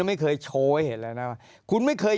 ไม่เคยโชว์ให้เห็นแล้วนะว่าคุณไม่เคย